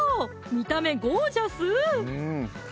見た目ゴージャス！